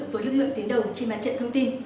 với lực lượng tuyến đầu trên mặt trận thông tin